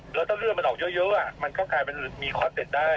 แล้วถ้าเลือดมันออกเยอะมันก็กลายเป็นมีคอสเต็ดได้